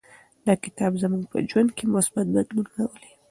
دا کتاب زموږ په ژوند کې مثبت بدلون راولي.